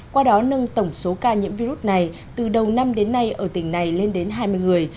qua đó nâng tổng số ca nhiễm virus này từ đầu năm đến nay ở tỉnh này lên đến hai mươi người